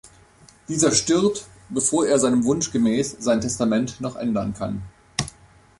Dieser stirbt, bevor er seinem Wunsch gemäß sein Testament noch ändern kann.